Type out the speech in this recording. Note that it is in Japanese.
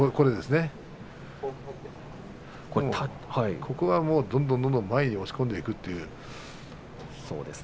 あとはどんどん押し込んでいくという。